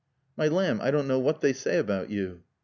"My lamb, I don't know what they say about you."